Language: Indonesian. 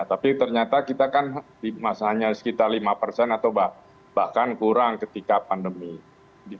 tapi ternyata kita kan di masanya sekitar lima persen atau bahkan kurang ketika pandemi